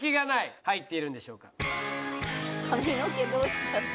髪の毛どうしちゃった？